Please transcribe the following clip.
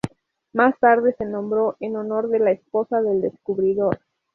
Más tarde se nombró en honor de la esposa del descubridor.